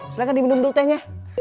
silahkan diminum dulu tehnya